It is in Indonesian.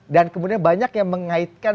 dan kemudian banyak yang mengaitkan